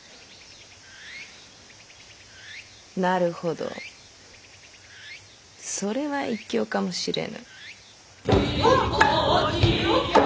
なるほどそれは一興かもしれぬ。